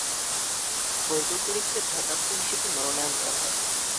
ফজলুল করিমকে ভারপ্রাপ্ত হিসেবে মনোনয়ন দেওয়া হয়।